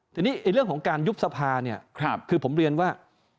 แต่นี่เรื่องของการยุบสภาคือผมเรียนว่า